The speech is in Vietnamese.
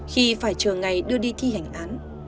khi phải chờ ngày đưa đi thi hành án